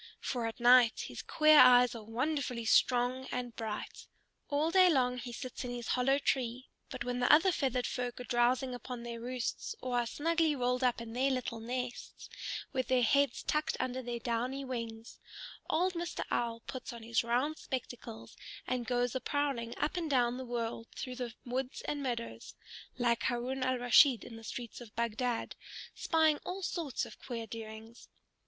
For at night his queer eyes are wonderfully strong and bright. All day long he sits in his hollow tree, but when the other feathered folk are drowsing upon their roosts, or are snugly rolled up in their little nests, with their heads tucked under their downy wings, old Mr. Owl puts on his round spectacles and goes a prowling up and down the world through the woods and meadows (like Haroun al Rashid in the streets of Bagdad), spying all sorts of queer doings.